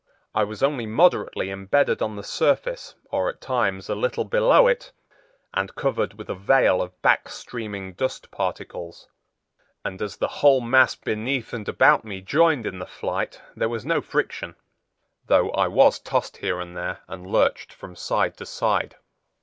I was only moderately imbedded on the surface or at times a little below it, and covered with a veil of back streaming dust particles; and as the whole mass beneath and about me joined in the flight there was no friction, though I was tossed here and there and lurched from side to side.